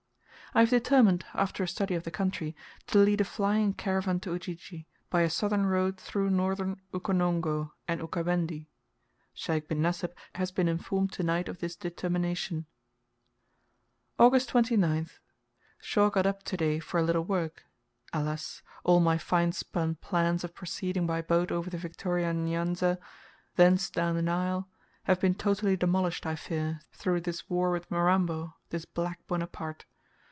I have determined, after a study of the country, to lead a flying caravan to Ujiji, by a southern road through northern Ukonongo and Ukawendi. Sheikh bin Nasib has been informed to night of this determination. August 29th. Shaw got up to day for a little work. Alas! all my fine spun plans of proceeding by boat over the Victoria N'Yanza, thence down the Nile, have been totally demolished, I fear, through this war with Mirambo this black Bonaparte.